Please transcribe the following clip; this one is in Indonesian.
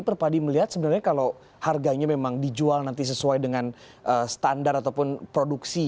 perpadi melihat sebenarnya kalau harganya memang dijual nanti sesuai dengan standar ataupun produksi